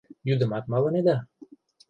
Йӱдымат малынеда?